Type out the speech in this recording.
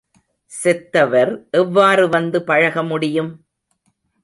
செத்தவர் எவ்வாறு வந்து பழகமுடியும்?